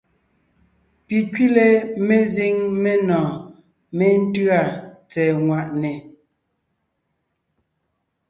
Pi kẅile mezíŋ menɔ̀ɔn méntʉ́a tsɛ̀ɛ ŋwàʼne.